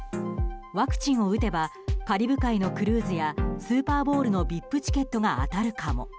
ワクチンを打てばカリブ海のクルーズやスーパーボウルのＶＩＰチケットが当たるかも。